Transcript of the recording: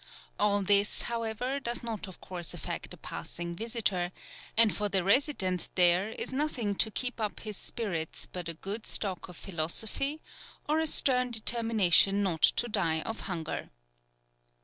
All this, however, does not of course affect the passing visitor, and for the resident there is nothing to keep up his spirits but a good stock of philosophy or a stern determination not to die of hunger.